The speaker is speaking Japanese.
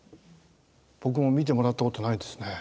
僕も診てもらったことないですね。ね。